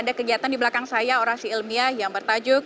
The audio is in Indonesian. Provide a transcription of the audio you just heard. ada kegiatan di belakang saya orasi ilmiah yang bertajuk